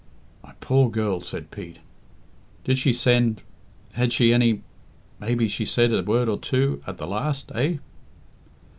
"My poor girl!" said Pete. "Did she send had she any maybe she said a word or two at the last, eh?"